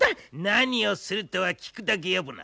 何をするとは聞くだけやぼな。